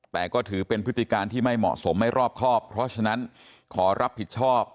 แต่ก็ถือเป็นพฤติการที่ไม่เหมาะสมไม่รอบครอบเพราะฉะนั้นขอรับผิดชอบ